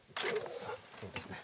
そうですね。